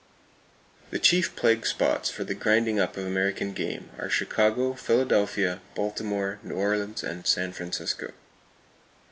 The chief plague spots for the grinding up of American game are Chicago, Philadelphia, Baltimore, New Orleans and San Francisco.